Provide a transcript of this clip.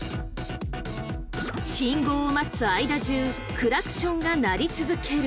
信号を待つ間中クラクションが鳴り続ける。